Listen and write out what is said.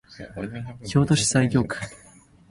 京都市西京区